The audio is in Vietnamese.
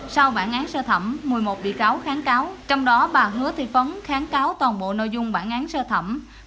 sau bản án sơ thẩm một mươi một bị cáo kháng cáo trong đó bà hứa thị phấn kháng cáo toàn bộ nội dung bản án sơ thẩm